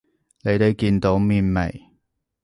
你哋見到面未？